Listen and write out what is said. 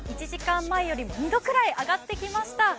１時間前より２度くらい上がってきました。